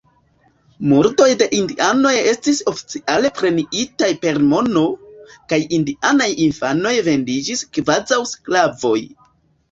Murdoj de indianoj estis oficiale premiitaj per mono, kaj indianaj infanoj vendiĝis kvazaŭ sklavoj.